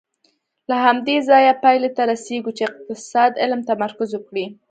له همدې ځایه پایلې ته رسېږو چې اقتصاد علم تمرکز وکړي.